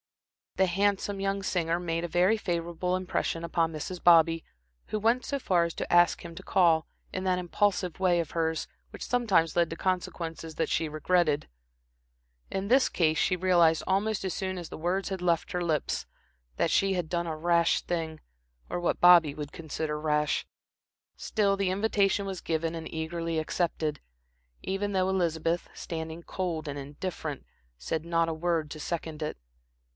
The handsome young singer made a very favorable impression upon Mrs. Bobby, who went so far as to ask him to call, in that impulsive way of hers, which sometimes led to consequences that she regretted. In this case she realized, almost as soon as the words had left her lips, that she had done a rash thing, or what Bobby would consider rash. Still, the invitation was given and eagerly accepted, even though Elizabeth, standing cold and indifferent, said not a word to second it.